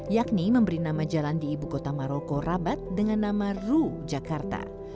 yakni memberi nama jalan di ibu kota maroko rabat dengan nama ru jakarta